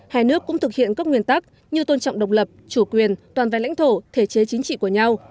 hai nước cũng thực hiện các nguyên tắc như tôn trọng độc lập chủ quyền toàn vẹn lãnh thổ thể chế chính trị của nhau